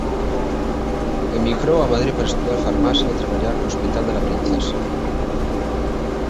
Emigrou a Madrid para estudar Farmacia e traballar no "Hospital de la Princesa".